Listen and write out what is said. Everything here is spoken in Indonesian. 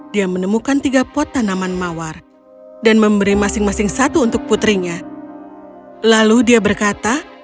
dia menemukan tiga pot tanaman mawar dan memberi masing masing satu untuk putrinya lalu dia berkata